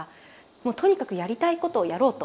もうとにかくやりたいことをやろうと。